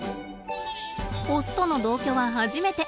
オスとの同居は初めて。